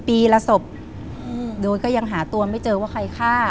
ปีละศพโดยก็ยังหาตัวไม่เจอว่าใครฆ่า